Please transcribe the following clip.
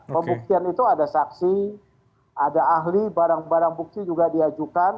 pembuktian itu ada saksi ada ahli barang barang bukti juga diajukan